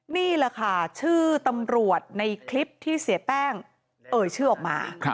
นี่แหละค่ะชื่อตำรวจในคลิปที่เสียแป้งเอ่ยชื่อออกมา